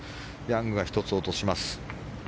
ヤングが１つ落とします。